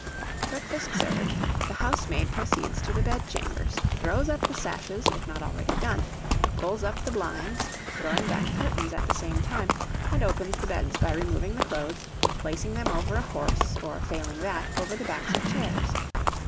Breakfast served, the housemaid proceeds to the bed chambers, throws up the sashes, if not already done, pulls up the blinds, throwing back curtains at the same time, and opens the beds, by removing the clothes, placing them over a horse, or, failing that, over the backs of chairs.